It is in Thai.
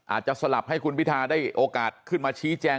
สลับให้คุณพิทาได้โอกาสขึ้นมาชี้แจง